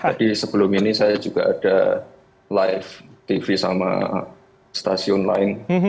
jadi sebelum ini saya juga ada live tv sama stasiun lain